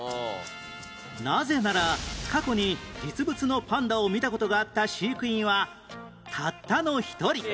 なぜなら過去に実物のパンダを見た事があった飼育員はたったの１人